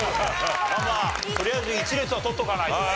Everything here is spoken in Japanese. とりあえず１列は取っておかないとね。